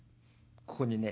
ここにね